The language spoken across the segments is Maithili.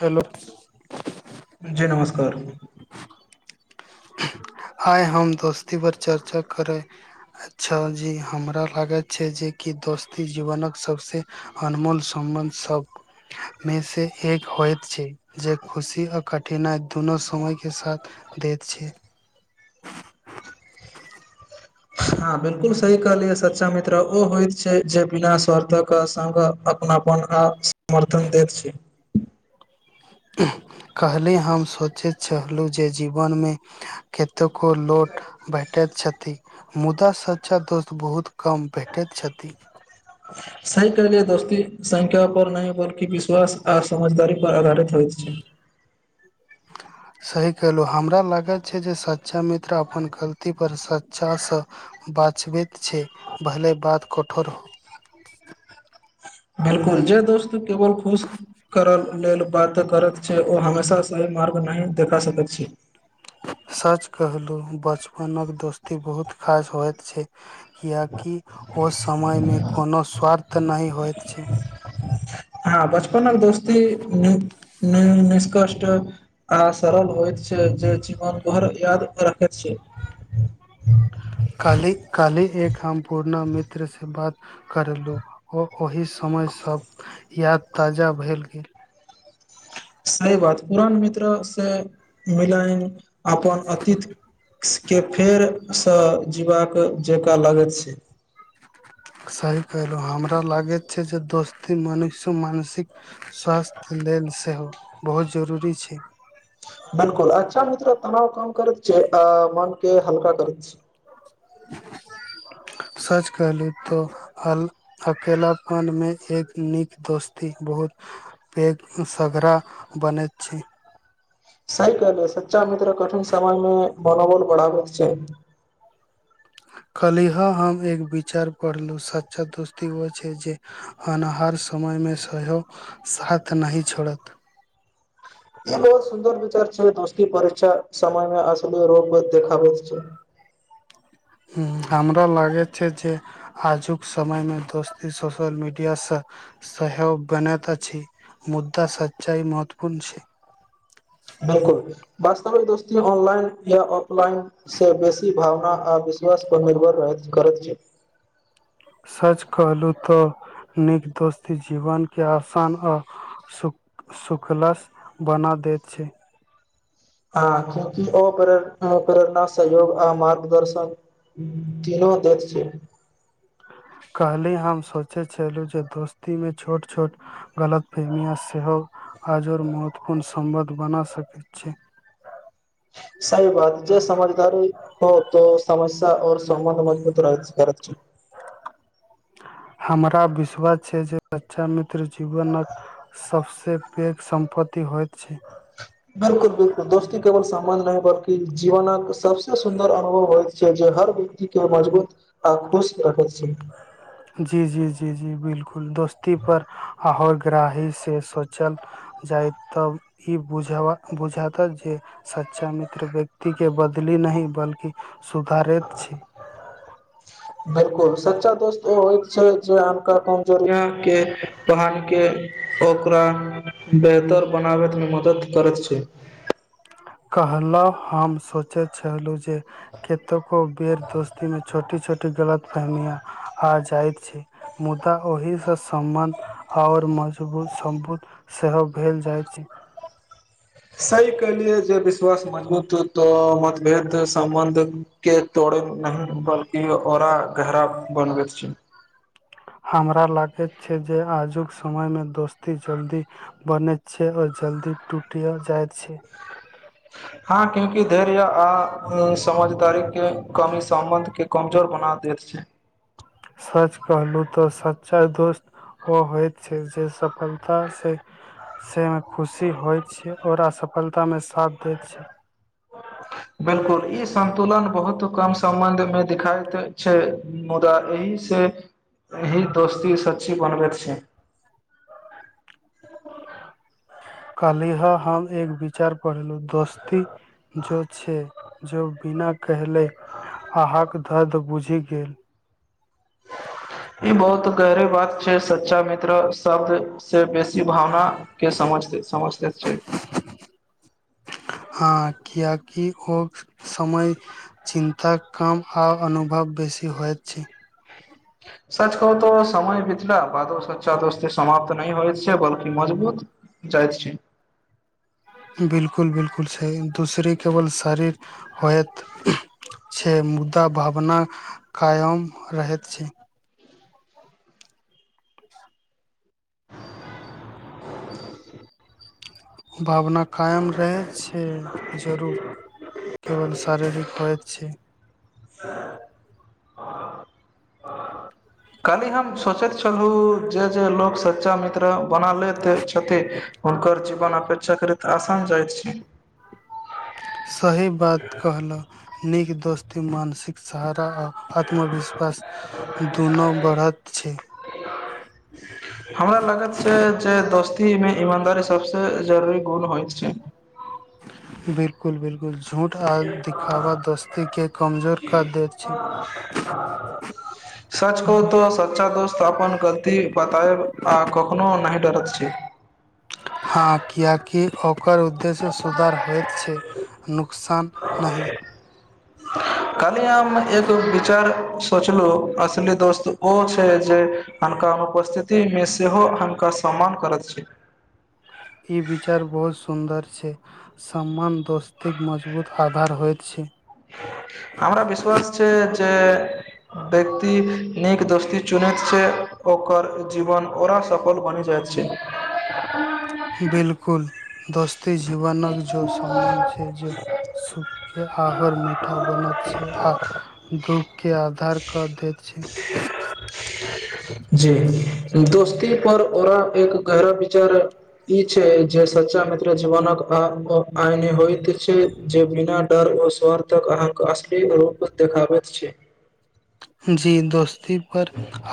हेलो। [unintelligible] कर। [unintelligible] आइ हम दोस्ती परर चर्चा करय छलहु ज हमरा लागैत छै जे किि दोस्ती जीवनक सभसँ अनमोल सम्बन्ध सभमेसँ एक होइत छै जे खुशी आ कठिनाइ दुनू समयके साथ दैत छै। [unintelligible] हँ बिलकुल सही कहलियै सच्चा मित्र ओ होइत छै जे बिना स्वार्थके सङ्ग अपनापन समर्थन दैत छै। [unintelligible] त। [unintelligible] कहलिये हम सोचै छी। कहलु जे जीवन मे केतेको लोक भेटैत छथि, मुदा सच्चा दोस्त बहुत कम भेटैत छथि। सही कहलिये दोस्ती संख्या पर नहि बल्कि विश्वास आ समझदारी पर आधारित होएत छै। सही कहलौ हमरा लागै छै जे सच्चा मित्र अपन गलती पर सच्चा सँ बाचबैत छै, भले बात कठोर हो। बिलकुल जे दोस्त केवल खुश करऽ लेल बात करैत छै ओ हमेशा सही मार्ग नहि देखा सकैत छै। [unintelligible] सच कहलहुँ बचपनक दोस्ती बहुत खास होइत छै। [unintelligible] किियकि ओ समयमे कोनो स्वार्थ नहि होइत छै। [unintelligible] हँ बस। [unintelligible] अपन को दोस्ती -निष्कष्ट। [unintelligible] आ सरल होइ छै जे जीवनभर याद रखे छै। [unintelligible] काली काली एक हम पूुरना मित्र से बात करलु ओ। [unintelligible] ओहि समय सब। [unintelligible] याद ताजा भेल गेल। [unintelligible] सी बात पुरान मित्र से मिलन। [unintelligible] अपन अतीत। [unintelligible] के फेरसँ जीबाक जकाँ लगैत छै। [unintelligible] सही कलहुँ हमरा लागैत छै जे दोस्ती मनुष्य मानसिक स्वास्थ्य लेल सेहो बहुत जरूरी छै। बिलकुल अच्छा। [unintelligible] तनाव काम करैत छै आ मन के हल्का करैत छै। [unintelligible] सच कहलहु तऽ अकेलाप्डमे एक नीक दोस्ती बहुत पैघ सघड़ा बनैत छै। सही कहे सच्चा मित्र कठिन समयमे मनोबल बढ़ावूत छै। [unintelligible] कलीहे हम एक विचार पढ़लहुँ सच्चा दोस्ती ओ छै जे अनहार समयमे सेहो साथ नहि छोड़त। [unintelligible] ई बहुत सुन्दर विचार छै दोस्ती परीक्षा समयमे अस रोग ब देखाबैत छै। [unintelligible] हमरा लागैत छै जे आजुक समयमे दोस्ती सोशल मीडियासँ सहयोग बनैत अछि मुद्दा सच्चाइ महत्वपूर्ण छै। [unintelligible] बिलकुल वास्तविक दोस्ती ऑनलाइन या। लाइन से बेसी। [unintelligible] भावना आ विश्वास पर निर्भर -करैत छै। [unintelligible] सच कहलहुँ तऽ नीक दोस्ती जीवनके आसान आ -सुखलस बना दैत छै। [unintelligible] ह कि अ- प्ररना सयोग आ मारगदर्शननो दे छै। [unintelligible] काल्हि हम सोचैत छलहुँ जे दोस्तीमे छोट- छोट गलत प्रेमियाँ सेहो आजो महत्वपूर्ण सम्बन्ध बना सकैत छी। [unintelligible] सही बात जे समझदारी हो तो समस्या औ सम्बन्ध मजबूत -रह करैत छै। [unintelligible] हमरा विश्वास छै जे बच्चा मित्र जीवनक सबसे पैघ सम्पति होइत छै। बिलकुल- बिलकुल दोस्ती केवल समबन्ध नहि बल्कि जीवनक सभसे सुन्दर अनुभव होइत छै जे हर व्यक्तिक के मजबूत आ खुश रखैत छै। जी -जी -जी- जी बिलकुल दोस्ती पर आ ग्रहिी से सोचल जाय तब ई बुझ बुझात जे सच्चा मित्र व्यक्ति के बदली नही बल्कि। सुधारैत छी। [unintelligible] बिलकुल सच्चा दोस्त ओ होइत छै जे अनका कमजोरिय के पहानी के ओकरा बेहतर बनाबयत मे मदद करैत छै। कहलहु हम सोचैत छलहुँ जे केतबो बेर दोस्तीमे छोटी छोटी गलत फहमिया आ जाइत छै मुदा ओहिसँ सम्बन्ध आऔर मजबूत सम्भुत सेहो भेल जाइत छै। सही कहलियै जे विश्वास मजबूत तऽ मतभेद सम्बन्ध के तोड़े नही बल्कि औरा गहरा बनबैत छै। हमरा लागैत छै जे आजुक समयमे दोस्ती जल्दी बनैत छै आओर जल्दी टूटिओ जाइत छै। हँ क्यूकि धैर्य आ समझदारीके कमी सम्बन्धके कमजोर बना दैत छै। [unintelligible] सच कहलहु तऽ सच्चा दोस्त ओ होइत छै जे सफलता से- से। खुशी होइ छै और असफल। ा मे साथ दैत छै। बिलकुल ई संतुलन बहुत कम सम्बन्ध मे दिखाइत छै मुदा एहि से एहि दोस्ती सच्ची बनबैत छै। कालीह हम एक विचार पहलु दस्ती ज छै जो बिना कहले अहक दर्द बुझि गेल। ई बहुत गहरी बात छै सच्चा मित्र शब्दसँ बेसी भावनााके समझतै-समझतैत छै। हँ किएकि ओ समय चिन्ताक काम आ अनुभव बेसी होयत छै। सच कहू त समय बीतला बादो सच्चा दोस्ती समाप्त नहिह होइत छै बल्कि मजबूत जाइत छै। बिलकुल-बिलकुल सही दूसरे केवल शरीर होइत छै मुदा भावना कायम रहैत छै। भावना कायम रहैत छै जरूर केवल शारीरिक होइत छै। स काल ही हम सोचैत छलहुँ जे-जे लोक सच्चा मित्र बना लैत छथि हुनकर जीवन अपेक्षा करैत आसान जाइत छै। सही बात कहलहु नीक दोस्त ती मानसिक सहारा आ आत्मविश्वास दुनू बढ़त छै हमरा लगत छै जे दोस्ती में ईमानदारी सबसँ जरूरी गुण होइत छै। बिलकुल बिलकुल झूठ आ दिखावा दोस्ती के कमजोर कर दैत छै सच कहु तो सच्चा दोस त अपन गलती बताएब आ कखनो नहि डरैत छै। हँ कियाकि ओकर उद्देश्य सुधार होइत छै नुकसान नहि। काल ही हम एगो विचार सोचलहुँ असली दोस्त ओ छै जे हअनका अनुपस्थिति मे सेहो हअनका सम्मान करत छै। ई विचार बहुत सुन्दर छै सम्मान दोस्तीक मजबूत आधार होयत छै। हमरा विश्वास छै जे व्यक्ति नीक दोस्ती चुनैत छै ओकर जीवन ओरा सफल बनि जाइत छै। बिलकुल दोस्त ती जीवनक जो सम्बन्ध छै जे छै सुख के आर मीठा बनत छै आ दुःख के आधार कऽ दैत छै। जी दोस्ती पर ओरा एक गहरा विचार ई छै, जे सच्चा मित्र जीवनक आइन होइत छै जे बिना डर ओ स्वार्थक अह असली रूप देखाबैत छै। जी दोस्त। पर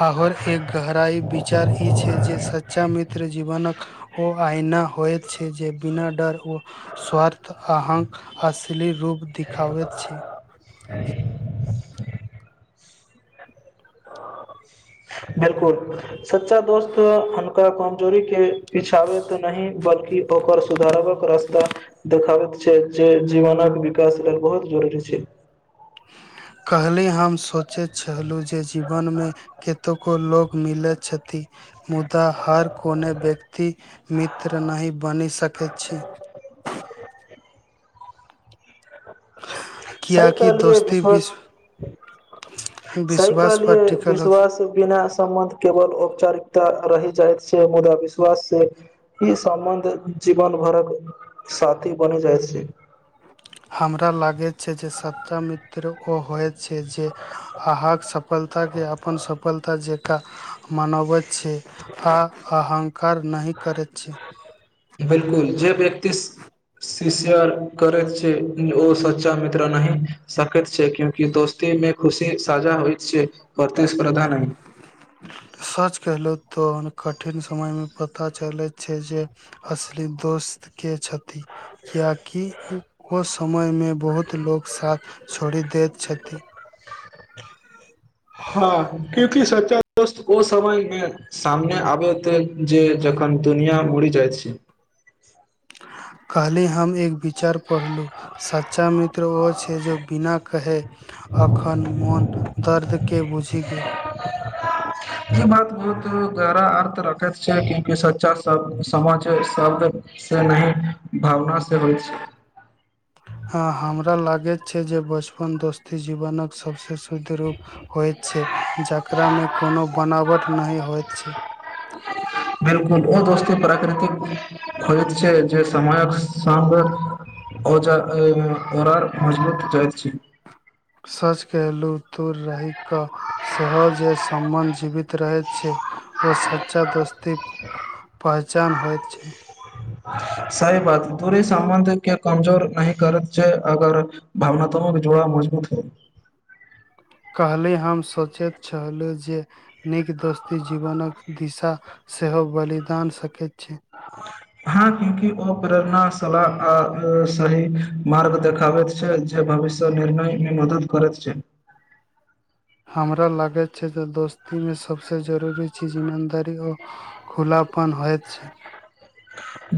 आर एक गहराई विचार ई छै, जे सच्चा मित्र जीवनक ओ आइना। होइत छै, जे बिना डर ओ स्वार्थ। तऽ अहाँक असली रूप दिखाबैत छै। बिलकुल सच्चा दोस्त अनका कम जोड़ि के पिछाबेत नहि बल्कि ओकर सुधारबक रास्ता देखाबैत जे जीवनक विकास लेल बहुत जरूरी छै। कल्हि हम सोचैत छलहुँ, जे जीवन में कतको लोक। मिलै छथि। मुदा हर कोनो व्यक्ति मित्र नहि बनि सकैत छै। सही किएकि कहलिय दोस्ती विश्वास, विश्व सही विश्वास पर कहलिय टिकल अछि। विश्वास बिना संबन्ध केवल ओप। औपचारिकता रहि जाइत छै, मुदा विश्वास से ई सम्बन्ध जीवन भरक साथी बनि जाइत छै। हमरा लागैत छै जे सच्चा मित्र ओ होइत। छै जे अहाँक सफलता के अपन सफलता जे। का मनाबैत। छै, आ अहङकार नहि करैत छै। बिलकुल जे व्यक्ति सी शेयर करे छै, ओ सच्चा मित्र नहि सकैत छै, क्यूंकि दोस्ती में खुशी साझा होयत छै, प्रतिस्पर्धा नइ। सच कहलहु। तोन कठिन समय में पता चले छै, जे असली दोस्त के छैथि। किया की ओ। समय में बहुत लोक साथ छोड़ि दैत छथि। हँ क्याकि सच्चा दोस्त ओ समय में सामने आबैत अय। जे जखन दुनिया मुड़। जाय छै। काल्हि हम एक विचार पढ़लहुॅ, सच्चा मित्र ओ। छै जो बिना कहे अखन मोन दर्द के। के बुझी गेल। ई बात बहुत गहरा अर्थ रखैत छै, क्योंकि सच्चा शब्द समझ शब्दसँ नहीं भावनासँ होइ छै। ह हमरा लागैत छै जे बचपन दोस्ती जीवनक सबसे। होइत छै, जकरा में कोनो बनावट नहि होइत छै। को ओ दोस्ती प्राकृतिक खोजइत छै जे समयक सङ्ग ओआर मजबूत जाइत छै। सच कहलहुँ दूर रहिकऽ सेहो जे सम्बन्ध जीवित रहैत छै, ओ सच्चा दोस्ती पहचान होइत छै। सही बात दूरी समबन्ध क कमजोर नहि करैत छै अगर भावनात्मक जुड़ाव मजबूत हो। भलहि हम सोचैत छलहुँ जे नीक दोस्ती जीवनक दिशा सेहो बलिदान सकैत। अच्छा। हँ क्यूकि ओ प्रेरणा सलाह आ सही मार्ग देखाबैत छै, जे भविष्य निर्णय में मदद करैत छै। हमरा लागैत छै जे दोस्ती में सभसँ जरूरी चीज ईमानदारी आ खुलापन होइत छै।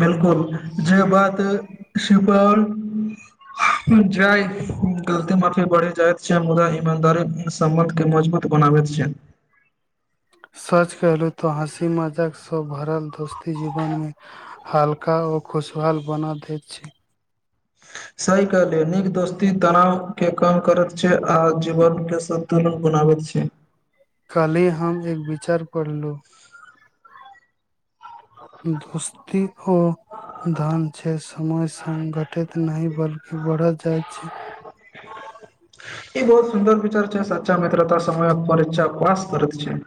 बिलकुल जे बात सुपल जाहि गलती माफी बढ़ि जाइत छै, मुदा ईमानदारी सम्बंध के मजबूत बनाबैत छै। सच कहलहु तो हँसी मजाक सब। भरल दोस्ती जीवन में। हल्का ओ खुशहाल बना दैत छै। सही कहलिय, नीक दोस्ती तनावके कम करैत छै आ जीवनके सन्तुलन बनाबैत छै। काल्हि हम एक विचार पढ़लहुॅ। धोस्ती। ओ धान छै समय। संगठित नहि बल्कि बढ़ल जाइत छै। ई बहुत सुन्दर विचार छै सच्चा मित्रता समयक परीक्षा पास करैत छै।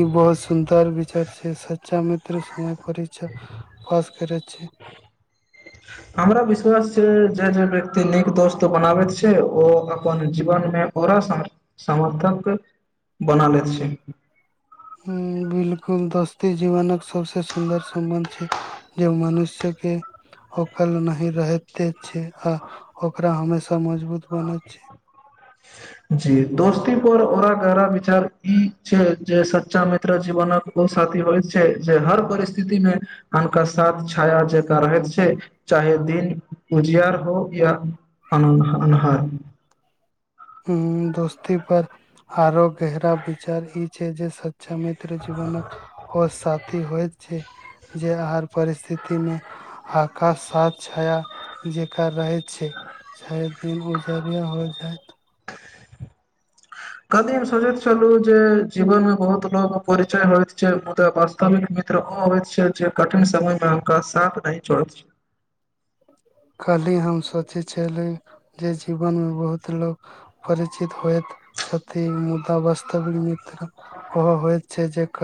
ई बहुत सुन्दर विचार छै सच। चा मित्र समय। परीक्षा पास करैत छै। हमरा विश्वास छै जे, जे व्यक्ति नीक दोस्त बनाबैत छै ओ अपन जीवन में ओकरा सम समर्थक बना लैत छै। हु, बिल्कुल दोस्ती जीवनक सबसे सुन्दर सम्बन्ध छै जे मनुष्य के ओकल नहि रहते छै आ ओकरा हमेशा। मजबूत बन छै। सा पर ओरा गहरा विचार ई छै, जे सच्चा मित्र जीवन ओ साथी होइत छै, जे हर परिस्थिति में हनका साथ छाया जका रहैत छै चाहे दिन उजियार हो अनोन्हार। हँ। ह दोस्ती पर आरो गहरा विचार ई छै जे स। मित्र जीवनक ओ साथी होइत छै जे आर। परिस्थिति में हाका साथ छाया जेंका रहैत छैए दिन उ। रआ हो जाइत। कदी सोचैत छलू जे। जीवन में बहुत लोग परिचय होयत। छै मुदा वास्तविक मित्र ओ होयत छै, जे कठिन समय में हुनका साथ नहि छोड़ैत छै। कल्हि हम सोचै छली जे जीवन में बहुत लोक परिचित होइत छथिन मु। वास्तविक मित्र ओहो होइ छै जे।